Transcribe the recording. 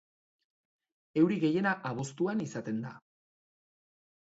Euri gehiena abuztuan izaten da.